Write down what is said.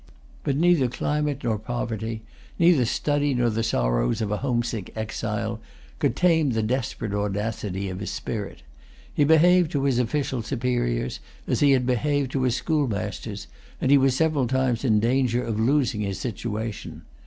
But neither climate nor poverty, neither study nor the sorrows of a home sick exile, could tame the desperate audacity of his spirit. He behaved to his official superiors as he had behaved to his schoolmasters, and he was several times in danger of losing his situation.